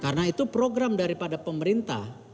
karena itu program daripada pemerintah